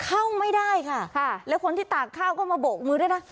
เข้าไม่ได้ค่ะแล้วคนที่ตากข้าวก็มาโบกมือด้วยนะ